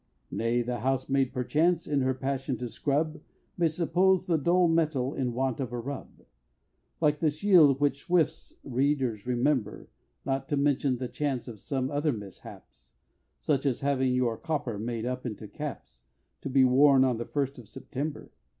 Nay, the housemaid, perchance, in her passion to scrub, May suppose the dull metal in want of a rub, Like the Shield which Swift's readers remember Not to mention the chance of some other mishaps, Such as having your copper made up into caps To be worn on the First of September.